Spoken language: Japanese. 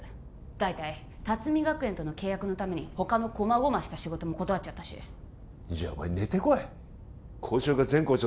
大体龍海学園との契約のために他のこまごました仕事も断っちゃったしじゃあお前寝てこい校長か前校長